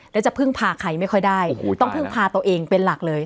แล้วจะพึ่งพาใครไม่ค่อยได้ต้องพึ่งพาตัวเองเป็นหลักเลย